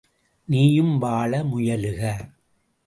நீயும் வாழ முயலுக!